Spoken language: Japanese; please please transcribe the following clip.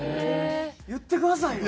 言ってくださいよ。